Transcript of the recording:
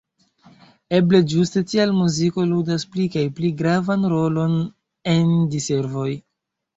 Eble ĝuste tial muziko ludas pli kaj pli gravan rolon en diservoj.